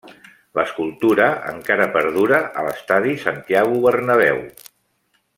L'escultura encara perdura a l'estadi Santiago Bernabéu.